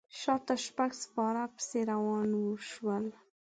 شاته شپږ سپاره پسې روان شول.